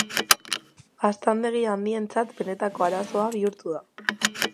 Gaztandegi handientzat benetako arazo bihurtu da.